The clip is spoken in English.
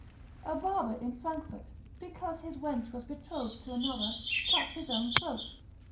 A barber in Frankfort, because his wench was betrothed to another, cut his own throat.